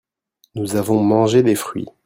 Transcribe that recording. nous avons mangé des fruits.